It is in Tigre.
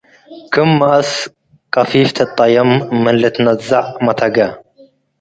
ክም መአስ ቀፊፍ ትጠየም ምን ልትነዘዕ መተገ